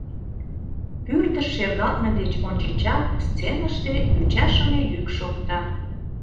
Пӱрдыш шергалтме деч ончычак сценыште ӱчашыме йӱк шокта.